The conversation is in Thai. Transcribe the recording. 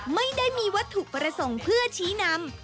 ไม่ได้มีวัตถุประสงค์เพื่อชี้นำ